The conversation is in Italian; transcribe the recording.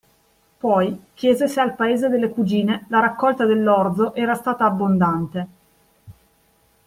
Poi chiese se al paese delle cugine la raccolta dell'orzo era stata abbondante.